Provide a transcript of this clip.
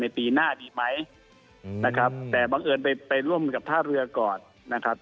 ในปีหน้าดีไหมแต่บังเอิดไปร่วมกับท่าเรือก่อนนะครับ